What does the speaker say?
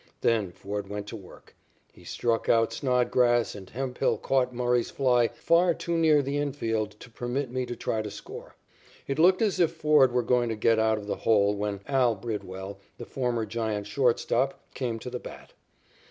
Then Ford went to work. He struck out Snodgrass, and Hemphill caught Murray's fly far too near the infield to permit me to try to score. It looked as if Ford were going to get out of the hole when "Al" Bridwell, the former Giant shortstop, came to the bat.